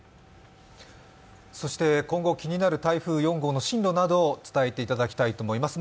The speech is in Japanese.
そして今後気になる台風４号の進路などを伝えていただきます。